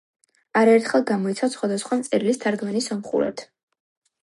არაერთხელ გამოიცა სხვადასხვა მწერლის თარგმანი სომხურად.